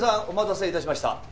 お待たせいたしました。